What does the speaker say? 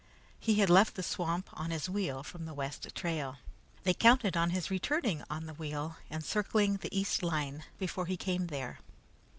He had left the swamp on his wheel from the west trail. They counted on his returning on the wheel and circling the east line before he came there.